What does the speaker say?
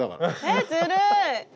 えっずるい。